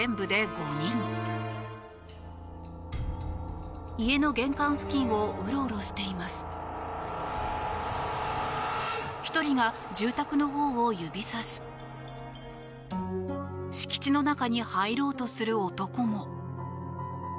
１人が住宅のほうを指さし敷地の中に入ろうとする男も。